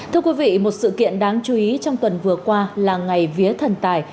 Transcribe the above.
thưa quý vị một sự kiện đáng chú ý trong tuần vừa qua là ngày vía thần tài